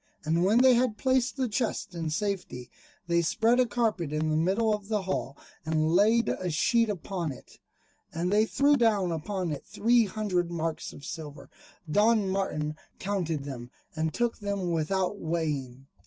And when they had placed the chests in safety, they spread a carpet in the middle of the hall, and laid a sheet upon it, and they threw down upon it three hundred marks of silver. Don Martin counted them, and took them without weighing.